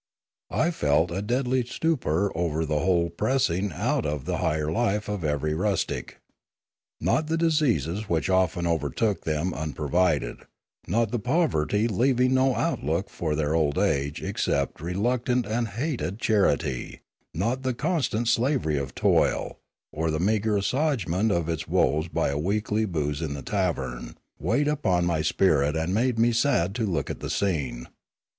I felt a deadly stupor over the whole pressing out the higher life of every rustic. Not the diseases which often overtook them unprovided, not the poverty leaving no outlook for their old age except reluctant and hated charity, not the constant slavery of toil, or the meagre assuagement of its woes by a weekly booze in the tavern, weighed upon my spirit and made me sad to look at the scene.